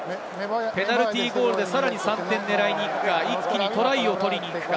ペナルティーゴールでさらに３点を狙いに行くか、一気にトライを取りに行くか。